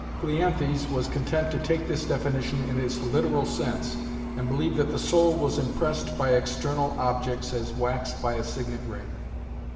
Cleanthes was content to take this definition in its literal sense, and believe that the soul was impressed by external objects as wax by a signet ring.